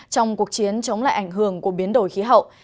trong cuộc chiến chống lại ảnh hưởng của biến đổi khí hậu